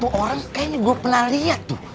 orang kayaknya gue pernah lihat tuh